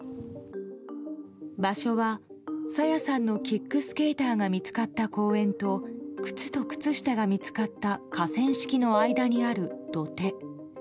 場所は朝芽さんのキックスケーターが見つかった公園と靴と靴下が見つかった河川敷の間にある土手。